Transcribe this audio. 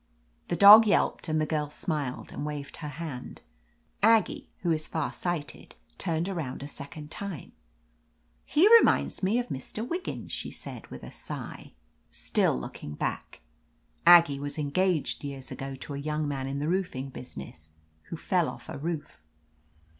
The dog yelped, and the girl smiled and waved her hand. Aggie, who is far sighted, turned around a second time. "He reminds me of Mr. Wiggins," she said with a sigh, still 231 ifi Ua 4 ^\ 1 »'.* V THE AMAZING ADVENTURES looking back. Aggie was engaged years ago to a young man in the roofing business, who fell off a roof.